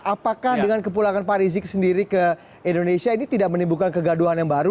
apakah dengan kepulangan pak rizik sendiri ke indonesia ini tidak menimbulkan kegaduhan yang baru